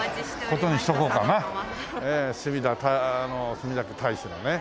墨田区大使のね。